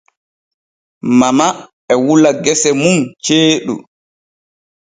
Mama e wula gese mun ceeɗu.